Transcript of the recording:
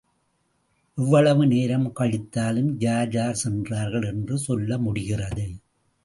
எவ்வளவு நேரம் கழித்தாலும் யார் யார் சென்றார்கள் என்று சொல்ல முடிகிறது.